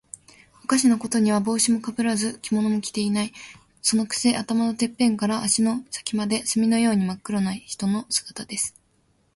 おかしなことには、帽子もかぶらず、着物も着ていない。そのくせ、頭のてっぺんから足の先まで、墨のようにまっ黒な人の姿です。